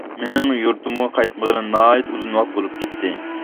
مېنىڭ يۇرتۇمغا قايتمىغىلى ناھايىتى ئۇزۇن ۋاقىت بولۇپ كەتتى.